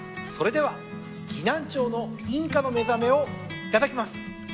それでは岐南町のインカのめざめをいただきます。